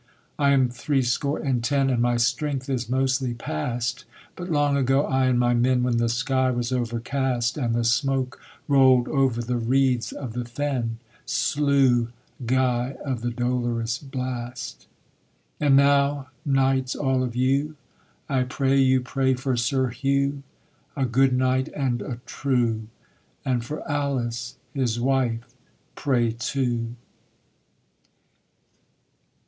I am threescore and ten, And my strength is mostly pass'd, But long ago I and my men, When the sky was overcast, And the smoke roll'd over the reeds of the fen, Slew Guy of the Dolorous Blast. And now, knights all of you, I pray you pray for Sir Hugh, A good knight and a true, And for Alice, his wife, pray too.